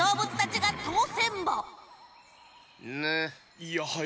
いやはや。